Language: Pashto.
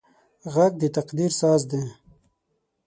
غږ د تقدیر ساز دی